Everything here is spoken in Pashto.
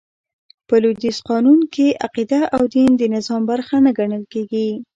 په لوېدیځ قانون کښي عقیده او دين د نظام برخه نه ګڼل کیږي.